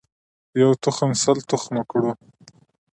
یو تخم سل تخمه کړو.